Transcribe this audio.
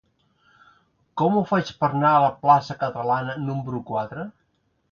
Com ho faig per anar a la plaça Catalana número quatre?